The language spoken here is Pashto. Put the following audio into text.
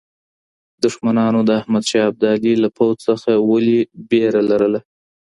دښمنانو د احمد شاه ابدالي له پوځ څخه ولې وېره لرله؟